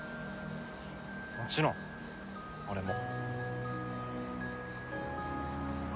もちろん俺も。